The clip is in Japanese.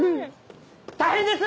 ・大変です！